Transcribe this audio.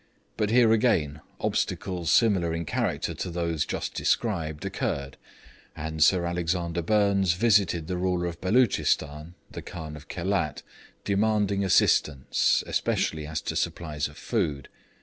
But here again obstacles similar in character to those just described occurred, and Sir Alexander Burnes visited the ruler of Beloochistan (the Khan of Khelat), demanding assistance, especially as to supplies of food.